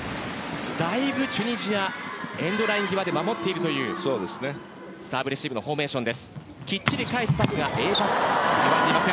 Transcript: だいぶチュニジアエンドライン際で守っているというサーブレシーブのフォーメーション。